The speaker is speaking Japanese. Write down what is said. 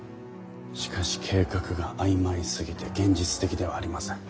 しかし計画が曖昧すぎて現実的ではありません。